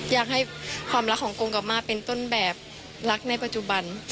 อยากให้ความรักของกงกลับมาเป็นต้นแบบรักในปัจจุบัน